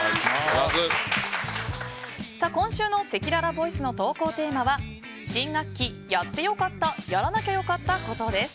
今週のせきららボイスの投稿テーマは新学期やってよかった・やらなきゃよかったコトです。